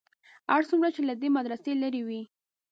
هر څومره چې له دې مدرسې لرې وې.